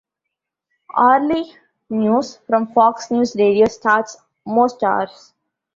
Hourly news from Fox News Radio starts most hours.